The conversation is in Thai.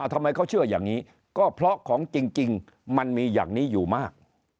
ทำไมเขาเชื่ออย่างนี้ก็เพราะของจริงมันมีอย่างนี้อยู่มาก